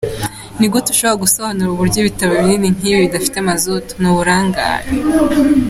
Ni gute ushobora gusobanura uburyo ibitaro binini nk’ibi bidafite mazutu? Ni uburangare.